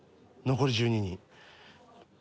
残り１２人。